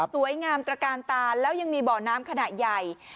สวยงามตระกาลตาแล้วยังมีบ่อน้ำขนาดใหญ่